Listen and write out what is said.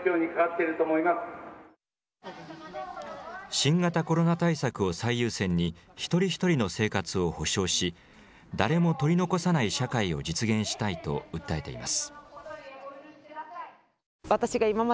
新型コロナ対策を最優先に一人一人の生活を保障し、誰も取り残さない社会を実現したいと訴えています。